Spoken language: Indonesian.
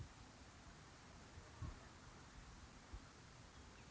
asal sekolah sma negeri dua belas